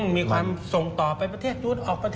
มีความส่งต่อไปประเทศยุทธ์ออกประเทศ